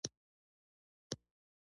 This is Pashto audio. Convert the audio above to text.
زه یو غوره انسان کېدل غواړم.